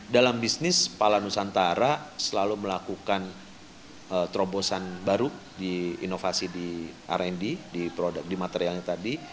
dalam bisnis pala nusantara selalu melakukan terobosan baru di inovasi di rnd di produk di materialnya tadi